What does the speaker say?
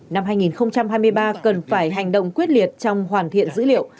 năm hai nghìn hai mươi ba cần phải hành động quyết liệt trong hoàn thiện dữ liệu